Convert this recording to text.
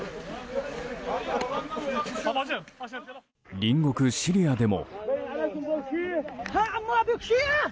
隣国シリアでも。